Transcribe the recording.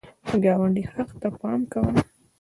د ګاونډي حق ته پام کوه